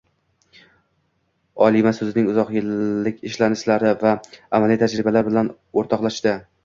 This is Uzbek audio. olima o’zining uzoq yillik izlanishlari va amaliy tajribalari bilan o’rtoqlashdi